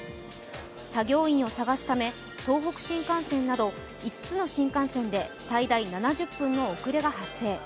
作業員を捜すため、東北新幹線など５つの新幹線で、最大７０分の遅れが発生。